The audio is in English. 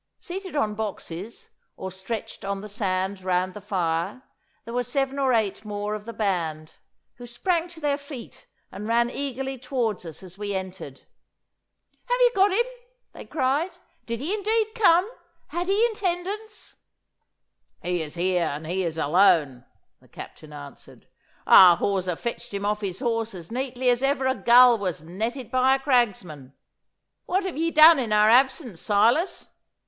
Seated on boxes, or stretched on the sand round the fire, there were seven or eight more of the band, who sprang to their feet and ran eagerly towards us as we entered. Have ye got him?' they cried. 'Did he indeed come? Had he attendants?' 'He is here, and he is alone,' the Captain answered. 'Our hawser fetched him off his horse as neatly as ever a gull was netted by a cragsman. What have ye done in our absence, Silas!